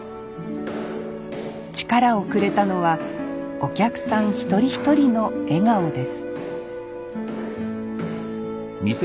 力をくれたのはお客さん一人一人の笑顔です